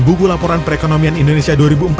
buku laporan perekonomian indonesia dua ribu empat belas